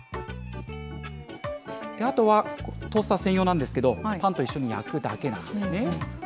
あとは、トースター専用なんですけれども、パンと一緒に焼くだけなんですね。